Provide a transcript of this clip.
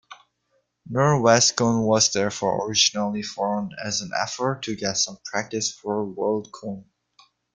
Norwescon was therefore originally formed as an effort to get some practice for Worldcon.